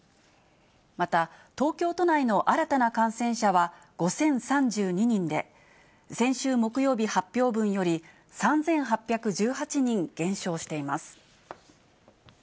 また、東京都内の新たな感染者は５０３２人で、先週木曜日発表分より３８１８人減少しています。